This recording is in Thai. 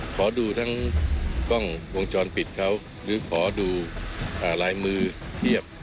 ขอดูทั้งกล้องวงจรปิดเขาหรือขอดูลายมือเทียบ